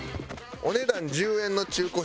「お値段１０円の中古車